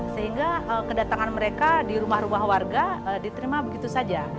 sehingga kedatangan mereka di rumah rumah warga diterima begitu saja